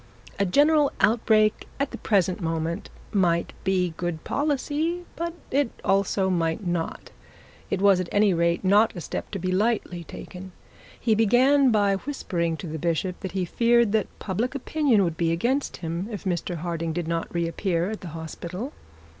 A general outbreak at the present moment might be good policy, but it also might not. It was at any rate not a step to be lightly taken. He began by whispering to the bishop that he feared the public opinion would be against him if Mr Harding did not reappear at the hospital.